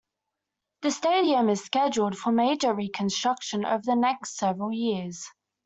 The stadium is scheduled for major reconstruction over the next several years.